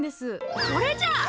それじゃ！